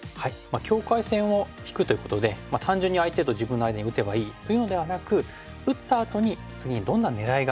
境界線を引くということで単純に相手と自分の間に打てばいいというのではなく打ったあとに次にどんな狙いがあるか。